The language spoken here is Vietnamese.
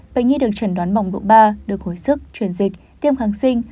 bệnh nhi được chẩn đoán bỏng độ ba được hồi sức truyền dịch tiêm kháng sinh